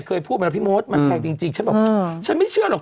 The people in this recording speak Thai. เคยพูดมาแล้วพี่มดมันแพงจริงฉันบอกฉันไม่เชื่อหรอก